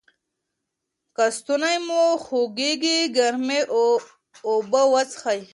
که ستونی مو خوږیږي ګرمې اوبه وڅښئ.